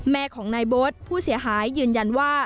แม่ของนายโบ๊ทผู้เสียหายยืนยันว่า